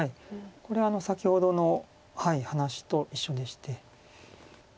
これは先ほどの話と一緒でして。